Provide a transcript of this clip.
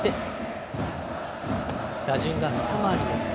打順が２回り目。